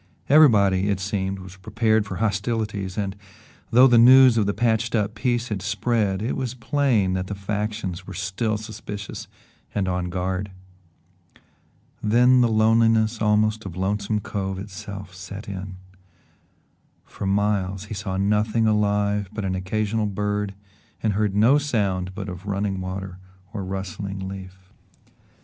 Everybody, it seemed, was prepared for hostilities and, though the news of the patched up peace had spread, it was plain that the factions were still suspicious and on guard. Then the loneliness almost of Lonesome Cove itself set in. For miles he saw nothing alive but an occasional bird and heard no sound but of running water or rustling leaf.